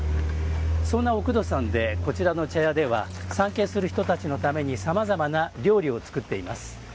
そんなおくどさんでこちらの茶屋では参詣する人たちのためにさまざまな料理を作っています。